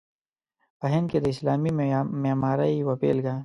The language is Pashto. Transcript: په هند کې د اسلامي معمارۍ یوه بېلګه.